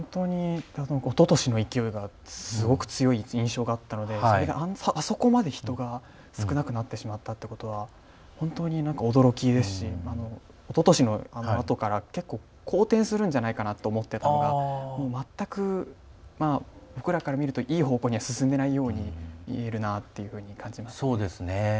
おととしの勢いがすごく強い印象だったのでそれが、あそこまで人が少なくなってしまったっていうことは本当に驚きですしおととしのあとから結構、好転するんじゃないかなと思ってたのが全く、僕らから見るといい方向には進んでいないように見えるなっていうふうに感じました。